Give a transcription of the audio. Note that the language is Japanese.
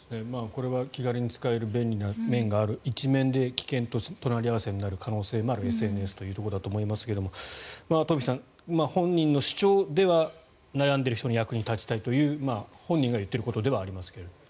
これは気軽に使える便利な面がある一面で危険と隣り合わせになる可能性もあるＳＮＳということだと思いますがトンフィさん、本人の主張では悩んでいる人の役に立ちたいという本人が言っていることではありますが。